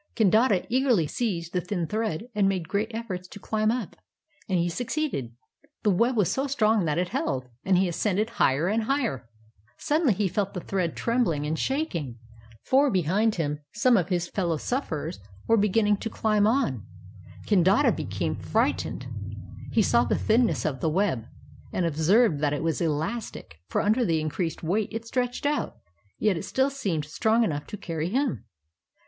Kandata eagerly seized the thin thread and made great efforts to climb up. And he succeeded. The web was so strong that it held, and he ascended higher and higher. " Suddenly he felt the thread trembling and shaking, for behind him some of his fellow sufferers were begin ning to climb up. Kandata became frightened. He saw the thinness of the web, and observed that it was elastic, for under the increased weight it stretched out; yet it still seemed strong enough to carry him.